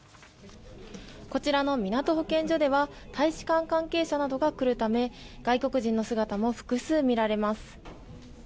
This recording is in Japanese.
こちらのみなと保健所では大使館関係者などが来るため外国人の姿も複数見られます。